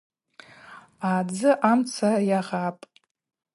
Адзы амца йагъапӏ.